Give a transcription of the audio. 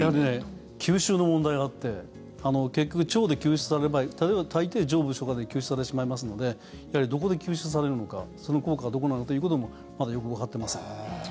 吸収の問題があって結局、腸で吸収される場合大抵、上部消化管で吸収されてしまいますのでやはりどこで吸収されるのかその効果がどうなのということもまだよくわかっていません。